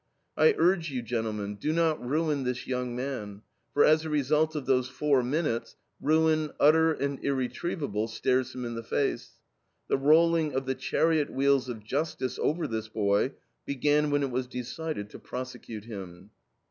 I urge you, gentlemen, do not ruin this young man. For as a result of those four minutes, ruin, utter and irretrievable, stares him in the face.... The rolling of the chariot wheels of Justice over this boy began when it was decided to prosecute him."